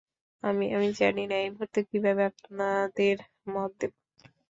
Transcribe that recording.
আমি-আমি জানিনা, এই মূহুর্তে কিভাবে আপনাদের মদ দেব।